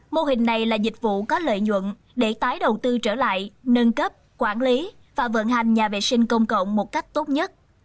mô hình này là dịch vụ có lợi nhuận để tái đầu tư trở lại nâng cấp quản lý và vận hành nhà vệ sinh công cộng một cách tốt nhất